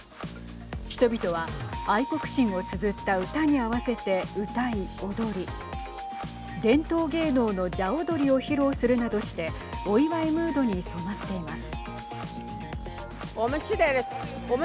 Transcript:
人々は愛国心をつづった歌に合わせて歌い、踊り伝統芸能の龍踊りを披露するなどしてお祝いムードに染まっています。